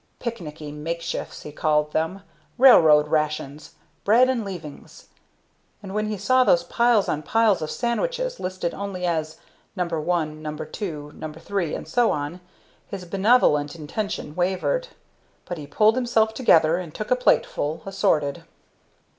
"Picnicky makeshifts" he called them, "railroad rations" "bread and leavings," and when he saw these piles on piles of sandwiches, listed only as "No. 1," "No. 2" "No. 3," and so on, his benevolent intention wavered. But he pulled himself together and took a plateful, assorted.